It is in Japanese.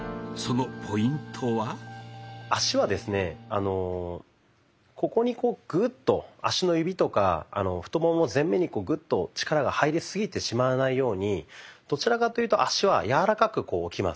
あのここにグッと足の指とか太もも前面にグッと力が入りすぎてしまわないようにどちらかというと足は柔らかく置きます。